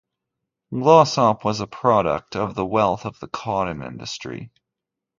Glossop was a product of the wealth of the cotton industry.